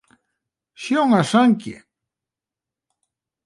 Sjong in sankje.